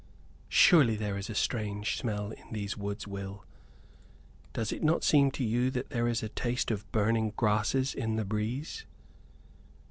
"Surely there is a strange smell in these woods, Will? Does it not seem to you that there is a taste of burning grasses in the breeze?"